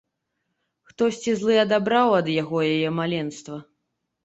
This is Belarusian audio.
Хтосьці злы адабраў ад яго яе маленства.